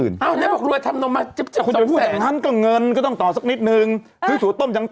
นี่บอกรวย